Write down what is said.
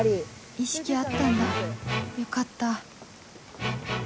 意識あったんだよかった